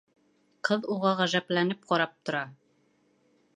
Ҡыҙ уға ғәжәпләнеп ҡарап тора: